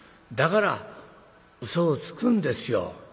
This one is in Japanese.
だからうそをつくんですよ。